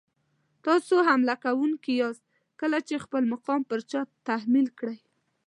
تاسو حمله کوونکي یاست کله چې خپل مقام پر چا تحمیل کړئ.